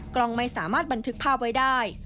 กล้องไม่สามารถบันทึกภาพไว้ได้